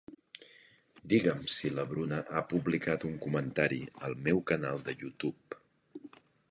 Digue'm si la Bruna ha publicat un comentari al meu canal de YouTube.